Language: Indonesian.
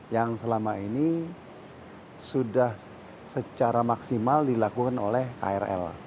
yang selama ini sudah secara maksimal dilakukan oleh krl